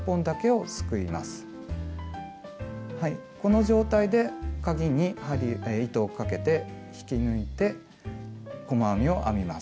この状態でかぎに糸をかけて引き抜いて細編みを編みます。